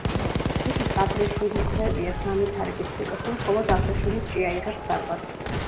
თუთის აბრეშუმხვევიას განვითარების ციკლში მხოლოდ აბრეშუმის ჭია იღებს საკვებს.